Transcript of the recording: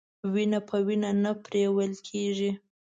وينه په وينه نه پريوله کېږي.